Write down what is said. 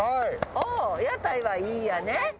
おお屋台はいいやね。